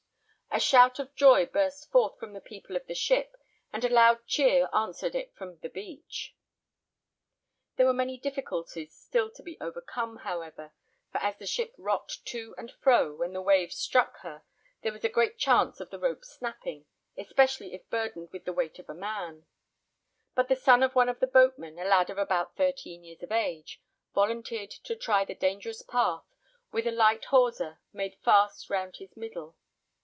A shout of joy burst forth from the people of the ship, and a loud cheer answered it from the beach. There were many difficulties still to be overcome, however; for as the ship rocked to and fro when the waves struck her, there was a great chance of the rope snapping, especially if burdened with the weight of a man; but the son of one of the boatmen, a lad of about thirteen years of age, volunteered to try the dangerous path, with a light hawser made fast round his middle.